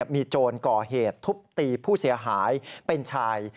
มีโจรก่อเหตุทุบตีผู้เสียหายเป็นชาย